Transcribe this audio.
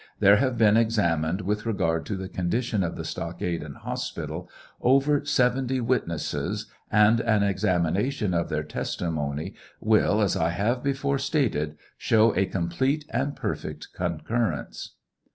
There have been examined with regard to the condition of the stockade and hospital over seventy witnesses, and an examination of their testimony will, as I before stated, show a complete and perfect concurrence.